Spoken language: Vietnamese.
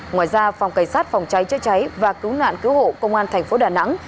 ngoài ra phòng cảnh sát phòng cháy chữa cháy và cứu nạn cứu hộ công an tp đà nẵng